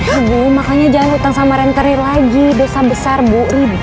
ibu makanya jangan hutang sama rentenir lagi dosa besar bu